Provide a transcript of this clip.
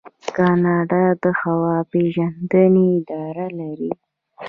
کاناډا د هوا پیژندنې اداره لري.